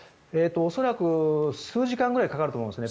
恐らく数時間ぐらいかかると思いますね。